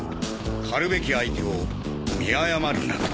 狩るべき相手を見誤るなと。